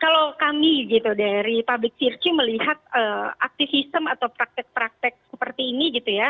kalau kami gitu dari public virtue melihat aktivism atau praktek praktek seperti ini gitu ya